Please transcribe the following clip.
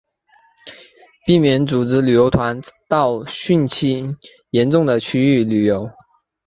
避免组织旅游团到汛情严重的区域旅游